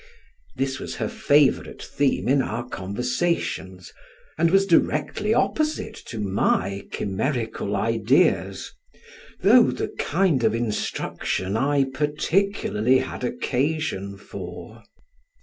This was her favorite theme in our conversations, and was directly opposite to my chimerical ideas, though the kind of instruction I particularly had occasion for.